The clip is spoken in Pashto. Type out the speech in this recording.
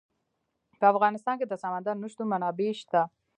په افغانستان کې د سمندر نه شتون منابع شته.